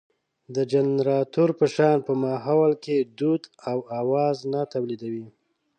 د جنراتور په شان په ماحول کې دود او اواز نه تولېدوي.